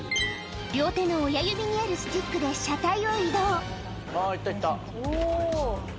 両手の親指にあるスティックいった、いった。